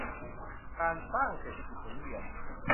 การสร้างเศรษฐกิจหมุนเวียน